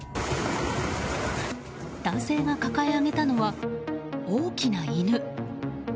男性が抱え上げたのは大きな犬。